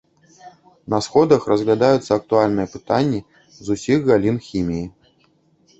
На сходах разглядаюцца актуальныя пытанні з усіх галін хіміі.